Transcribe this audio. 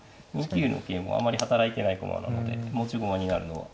２九の桂もあんまり働いてない駒なので持ち駒になるのは。